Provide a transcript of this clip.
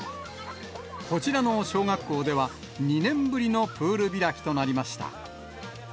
こちらの小学校では、２年ぶりのプール開きとなりました。